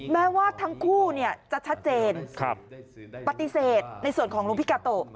แม้ว่าทั้งคู่จะชัดเจนปฏิเสธในส่วนของหลวงพี่กาโต